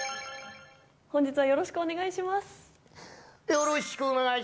よろしくお願いします。